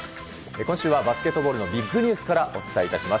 今週はバスケットボールのビッグニュースからお伝えいたします。